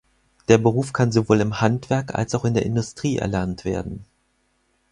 Der Beruf kann sowohl im Handwerk als auch in der Industrie erlernt werden.